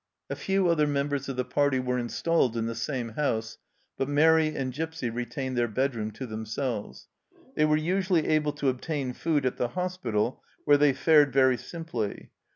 A few other members of the party were installed in the same house, but Mairi and Gipsy retained their bedroom to them selves. They were usually able to obtain food at the hospital, where they fared very simply.